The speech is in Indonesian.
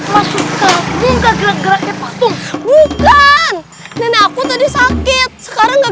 masuk kamu nggak gerak geraknya patung bukan nenek aku tadi sakit sekarang nggak